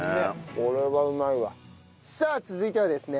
さあ続いてはですね